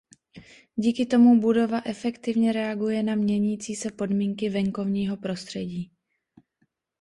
Díky tomu budova efektivně reaguje na měnící se podmínky venkovního prostředí.